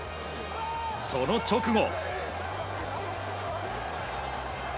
その直後。